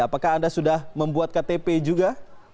apakah anda sudah membuat ktp juga